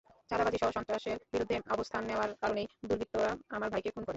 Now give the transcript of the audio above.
চাঁদাবাজিসহ সন্ত্রাসের বিরুদ্ধে অবস্থান নেওয়ার কারণেই দুর্বৃত্তরা আমার ভাইকে খুন করে।